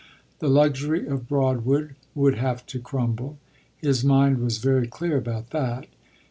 The luxury of Broadwood would have to crumble: his mind was very clear about that.